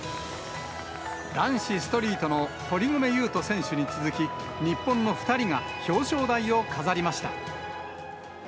男子ストリートの堀米雄斗選手に続き、日本の２人が、表彰台を飾りました。